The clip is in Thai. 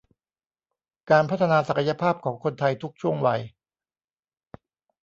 การพัฒนาศักยภาพของคนไทยทุกช่วงวัย